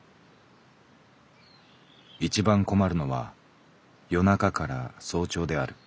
いちばん困るのは夜中から早朝である。